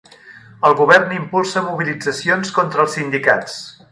El govern impulsa mobilitzacions contra els sindicats